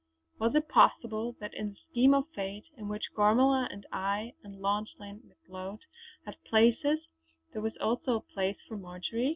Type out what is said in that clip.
Was it possible that in the scheme of Fate, in which Gormala and I and Lauchlane Macleod had places, there was also a place for Marjory?